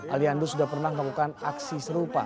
aliando sudah pernah melakukan aksi serupa